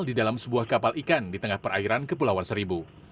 di dalam sebuah kapal ikan di tengah perairan kepulauan seribu